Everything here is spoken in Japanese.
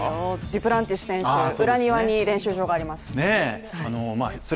デュプランティス選手、裏庭に練習場があります。